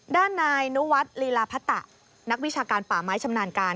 ด้านนายนุวัฒน์ลีลาพะตะนักวิชาการป่าไม้ชำนาญการ